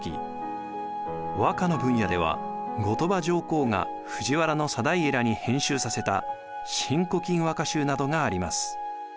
和歌の分野では後鳥羽上皇が藤原定家らに編集させた「新古今和歌集」などがあります。